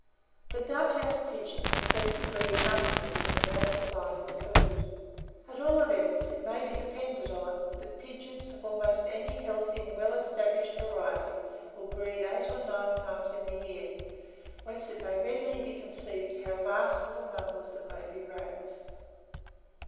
The dove house pigeon is said to breed monthly, when well supplied with food. At all events, it may be depended on, that pigeons of almost any healthy and well established variety will breed eight or nine times in the year; whence it may readily be conceived how vast are the numbers that may be raised.